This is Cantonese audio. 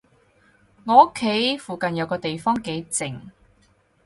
我屋企附近有個地方幾靜